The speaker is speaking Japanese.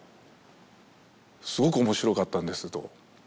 すごく面白かったんですと。